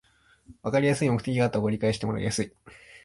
わかりやすい目的があった方が理解してもらいやすい